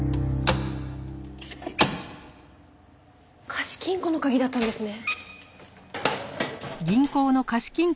貸金庫の鍵だったんですね。